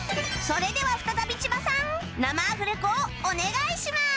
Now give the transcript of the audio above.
それでは再び千葉さん生アフレコをお願いします！